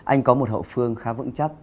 anh có một hậu phương khá vững chấp